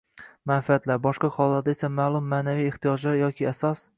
manfaatlar, boshqa hollarda esa ma’lum ma’naviy ehtiyojlar yoki asos